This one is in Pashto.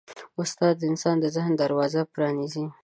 استاد د انسان د ذهن دروازه پرانیزي.